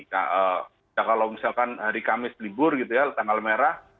kalau misalkan hari kamis libur gitu ya tanggal merah